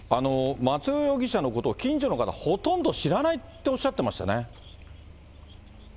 松尾容疑者のことを近所の方、ほとんど知らないっておっしゃってましたね。